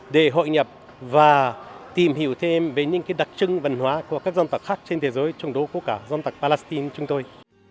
để hội nhập và tìm hiểu thêm về những đặc trưng văn hóa của các dân tộc khác trên thế giới chống đố của cả dân tộc palestine chúng tôi